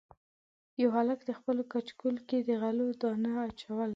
یوه هلک د خپلو کچکول کې د غلو دانه اچوله.